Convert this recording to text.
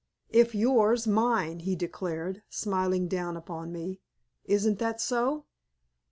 "If yours, mine," he declared, smiling down upon me. "Isn't that so?"